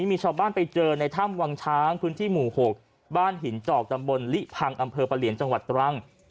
มีชาวบ้านไปเจอในถ้ำวังช้างพื้นที่หมู่๖บ้านหินจอกตำบลลิพังอำเภอประเหลียนจังหวัดตรัง